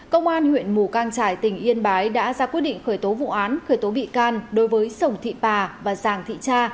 công an huyện mù cang trải tỉnh yên bái đã ra quyết định khởi tố vụ án khởi tố bị can đối với sồng thị pà và giàng thị cha